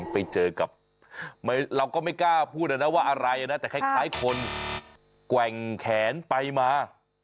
ไปเจอกับเราก็ไม่กล้าพูดนะนะว่าอะไรนะแต่คล้ายคนแกว่งแขนไปมา